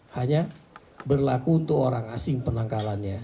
hanya berlaku untuk orang asing penangkalannya